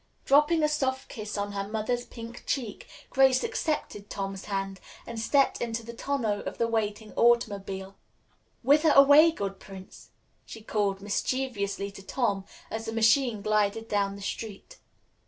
Dropping a soft kiss on her mother's pink cheek, Grace accepted Tom's hand and stepped into the tonneau of the waiting automobile. "Whither away, good prince?" she called mischievously to Tom as the machine glided down the street.